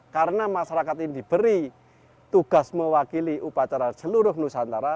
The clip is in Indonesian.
karena masyarakat ini diberi tugas mewakili upacara seluruh nusantara